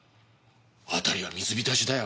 辺りは水浸しだよ。